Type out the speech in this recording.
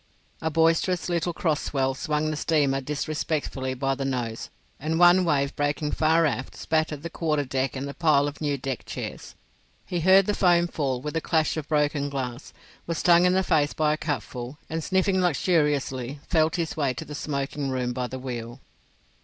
A boisterous little cross swell swung the steamer disrespectfully by the nose; and one wave breaking far aft spattered the quarterdeck and the pile of new deck chairs. He heard the foam fall with the clash of broken glass, was stung in the face by a cupful, and sniffing luxuriously, felt his way to the smoking room by the wheel.